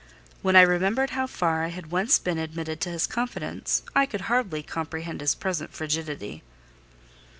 When I remembered how far I had once been admitted to his confidence, I could hardly comprehend his present frigidity.